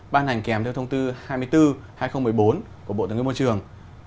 ban hành kèm theo thông tư hai mươi bốn hai nghìn một mươi bốn của bộ tài nguyên môi trường